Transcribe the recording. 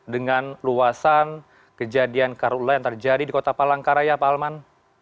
dengan luasan kejadian karula yang terjadi di kota palangkaraya pak alman